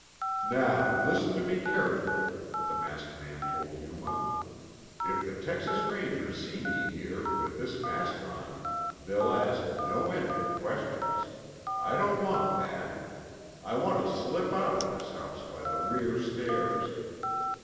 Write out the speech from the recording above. "Now listen to me carefully," the masked man told Yuma. "If the Texas Rangers see me here, with this mask on, they'll ask no end of questions. I don't want that. I want to slip out of this house by the rear stairs.